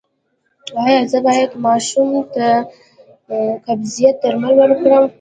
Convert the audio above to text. ایا زه باید ماشوم ته د قبضیت درمل ورکړم؟